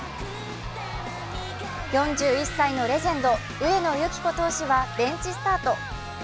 ４１歳のレジェンド・上野由岐子投手はベンチスタート。